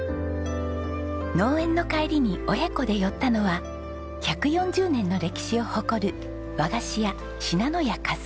農園の帰りに親子で寄ったのは１４０年の歴史を誇る和菓子屋信濃屋嘉助。